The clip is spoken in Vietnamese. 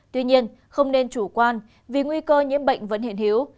tuy nhiên không nên chủ quan vì nguy cơ nhiễm bệnh vẫn hiện hiếu